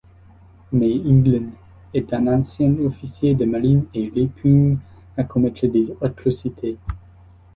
Mais England est un ancien officier de marine et répugne à commettre des atrocités.